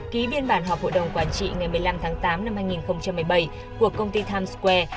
ký biên bản họp hội đồng quản trị ngày một mươi năm tháng tám năm hai nghìn một mươi bảy của công ty times square